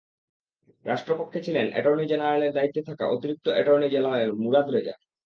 রাষ্ট্রপক্ষে ছিলেন অ্যাটর্নি জেনারেলের দায়িত্বে থাকা অতিরিক্ত অ্যাটর্নি জেনারেল মুরাদ রেজা।